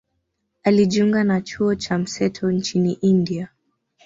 Alijiunga na chuo cha mseto nchini India